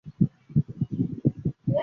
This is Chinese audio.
在外形上绿翅与绯红金刚鹦鹉很接近。